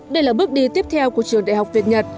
đây là bước đi tiếp theo của trường đại học việt nhật